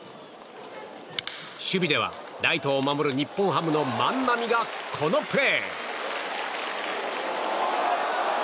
守備ではライトを守る日本ハムの万波がこのプレー。